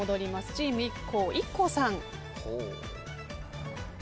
チームＩＫＫＯＩＫＫＯさん。